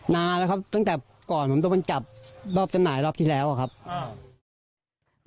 นานแล้วครับตั้งแต่ก่อนผมโดนจับรอบจำหน่ายรอบที่แล้วอะครับอ่า